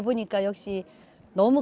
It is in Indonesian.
kami datang ke sekolah